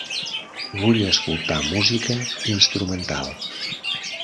Vull escoltar música instrumental.